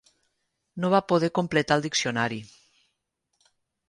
No va poder completar el diccionari.